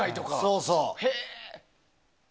そうそう。